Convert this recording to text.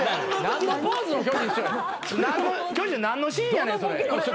何のシーンやねんそれ。